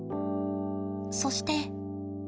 そして。